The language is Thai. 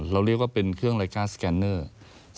เราเรียกเป็นเครื่องรายการสแกนเนี้ย